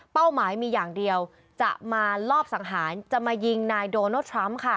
หมายมีอย่างเดียวจะมาลอบสังหารจะมายิงนายโดนัลดทรัมป์ค่ะ